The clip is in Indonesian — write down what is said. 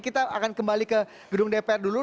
kita akan kembali ke gedung dpr dulu